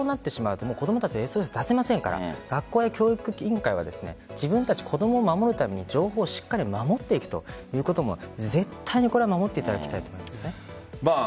子供たちはＳＯＳを出せませんから学校や教育委員会は自分たち、子供を守るために情報をしっかり守っていくということも絶対に守っていただきたいと思います。